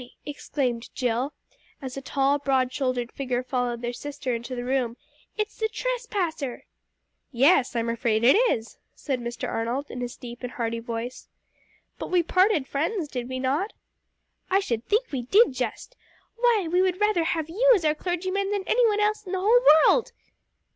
exclaimed Jill, as a tall broad shouldered figure followed their sister into the room, "it's the trespasser!" "Yes, I am afraid it is," said Mr. Arnold in his deep and hearty voice. "But we parted friends, did we not?" "I should think we did just! Why we would rather have you as our clergyman than any one else in the whole world!"